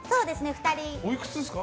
おいくつですか？